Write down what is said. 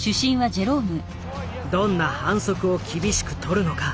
どんな反則を厳しく取るのか。